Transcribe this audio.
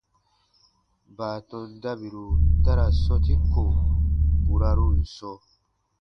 Baatɔn dabiru ta ra sɔ̃ti ko burarun sɔ̃,